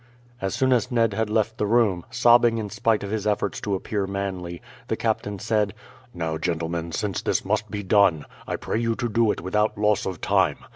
As soon as Ned had left the room, sobbing in spite of his efforts to appear manly, the captain said: "Now, gentlemen, since this must be done, I pray you to do it without loss of time.